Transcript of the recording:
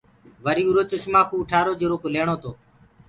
وري اُرو چشمآ ڪوُ اُٺآرو جِرو ڪُو ليڻو تو۔